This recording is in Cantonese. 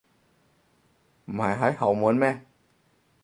唔係喺後門咩？